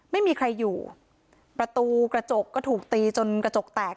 ไม่มีใครอยู่ประตูกระจกก็ถูกตีจนกระจกแตก